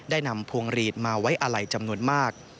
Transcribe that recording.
ได้นำพวงฤทธิ์มาไว้อาลัยจำนวนมาก